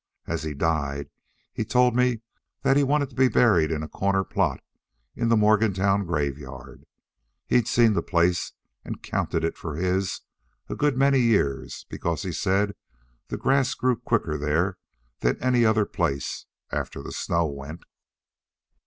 As he died he told me that he wanted to be buried in a corner plot in the Morgantown graveyard. He'd seen the place and counted it for his a good many years because he said the grass grew quicker there than any other place, after the snow went."